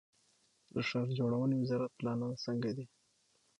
د ښار جوړونې وزارت پلانونه څنګه دي؟